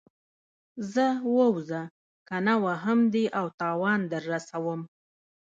ځه ووځه کنه وهم دې او تاوان در رسوم.